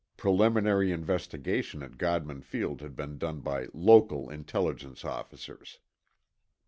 (Preliminary investigation at Godman Field had been done by local Intelligence officers.)